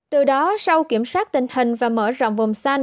từ đó sau kiểm soát tình hình và mở rộng vùng xanh